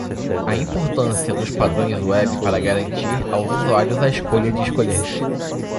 A importância dos padrões web para garantir aos usuários a escolha de escolher.